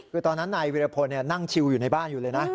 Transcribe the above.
คือตอนนั้นนายวิรพลนั่งชิวอยู่ในบ้านอยู่เลยนะ